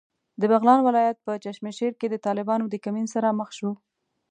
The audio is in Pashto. د بغلان ولایت په چشمشېر کې د طالبانو د کمین سره مخ شوو.